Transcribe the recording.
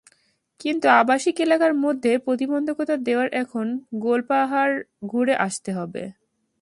কিন্তু আবাসিক এলাকার মধ্যে প্রতিবন্ধকতা দেওয়ায় এখন গোলপাহাড় ঘুরে আসতে হয়।